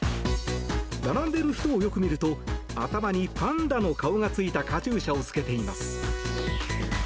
並んでいる人をよく見ると頭にパンダの顔がついたカチューシャを着けています。